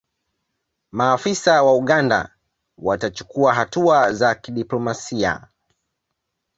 maafisa wa uganda watachukua hatua za kidiplomasia